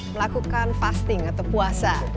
melakukan fasting atau puasa